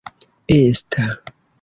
esta